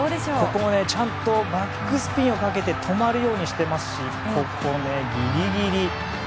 ここもちゃんとバックスピンをかけて止まるようにしてますし最後もギリギリ。